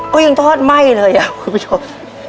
ก็ยังทอดไหม้เลยอ่ะคุณผู้ชม